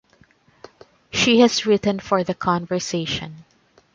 She has written for "The Conversation".